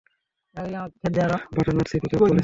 Butternut CP cup বলছি।